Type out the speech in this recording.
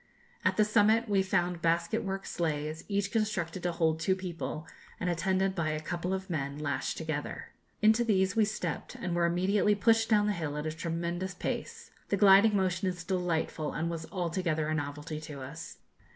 At the summit we found basket work sleighs, each constructed to hold two people, and attended by a couple of men, lashed together. Into these we stepped, and were immediately pushed down the hill at a tremendous pace. The gliding motion is delightful, and was altogether a novelty to us.